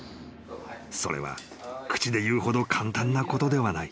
［それは口で言うほど簡単なことではない］